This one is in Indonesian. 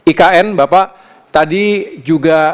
ikn bapak tadi juga